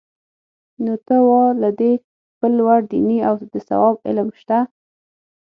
نو ته وا له دې بل لوړ دیني او د ثواب علم شته؟